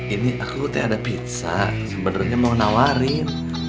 ini aku teh ada pizza sebenarnya mau nawarin